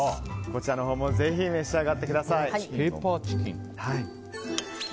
こちらのほうもぜひ召し上がってください。